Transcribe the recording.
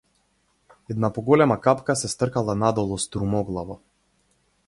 Една поголема капка се стркала надолу струмоглаво.